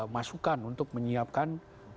masukan untuk menyiapkan